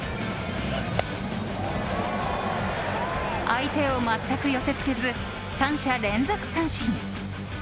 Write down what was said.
相手を全く寄せ付けず三者連続三振。